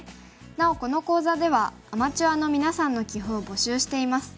なおこの講座ではアマチュアのみなさんの棋譜を募集しています。